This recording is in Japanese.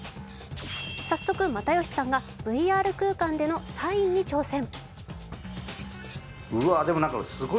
早速、又吉さんがＶＲ空間でのサインに挑戦。